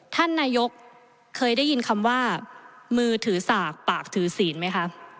ท่านนายกเคยได้ยินคำว่ามือถือสากปากถือศีลไหมคะ